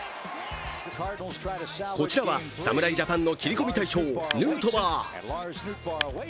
こちらは侍ジャパンの切り込み隊長、ヌートバー。